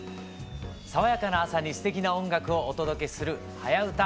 爽やかな朝にすてきな音楽をお届けする「はやウタ」。